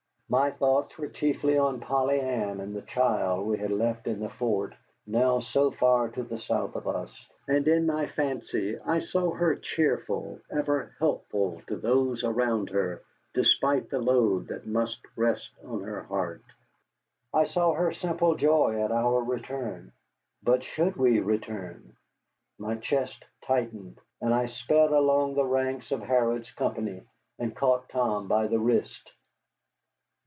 My thoughts were chiefly on Polly Ann and the child we had left in the fort now so far to the south of us, and in my fancy I saw her cheerful, ever helpful to those around her, despite the load that must rest on her heart. I saw her simple joy at our return. But should we return? My chest tightened, and I sped along the ranks to Harrod's company and caught Tom by the wrist.